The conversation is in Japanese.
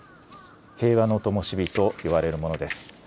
平和のともし火と呼ばれるものです。